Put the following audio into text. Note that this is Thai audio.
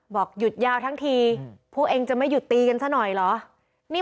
บอกหยุดยาวทั้งทีพวกเองจะไม่หยุดตีกันซะหน่อยเหรอ